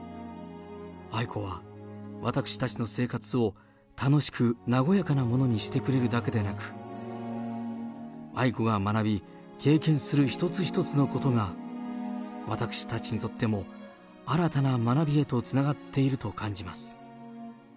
愛子は私たちの生活を、楽しく、和やかなものにしてくれるだけでなく、愛子が学び、経験する一つ一つのことが、私たちにとっても新たな学びへとつながっていると感じます。